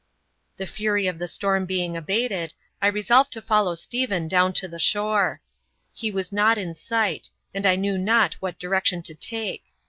The fury of the storm being abated, I resolved to follow Stephen down to the shore. He was not in sight, and I knew not what direction to take.